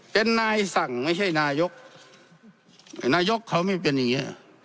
เป็นนายสั่งไม่ใช่นายกนายกเขาไม่เป็นอย่างนี้